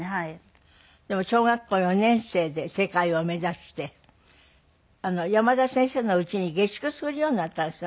でも小学校４年生で世界を目指して山田先生の家に下宿するようになったんですって？